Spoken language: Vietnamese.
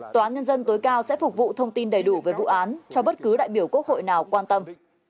tòa án nhân dân tối cao sẽ phục vụ thông tin đầy đủ về vụ án cho bất cứ đại biểu quốc hội nào quan tâm